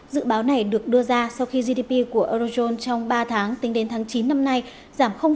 dự báo này được đưa ra sau khi gdp của eurozone trong ba tháng tính đến tháng chín năm nay giảm năm